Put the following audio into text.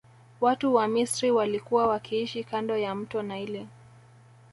Watu wa misri walikua wakiishi kando ya mto naili